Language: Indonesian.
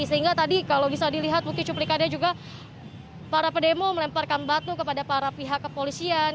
sehingga tadi kalau bisa dilihat mungkin cuplikannya juga para pendemo melemparkan batu kepada para pihak kepolisian